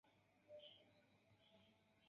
Ion mi rakontos mem.